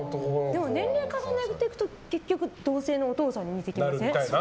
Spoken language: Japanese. でも年齢を重ねていくと結局、同性のお父さんに似てきません？